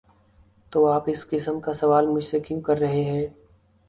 ‘‘''تو آپ اس قسم کا سوال مجھ سے کیوں کر رہے ہیں؟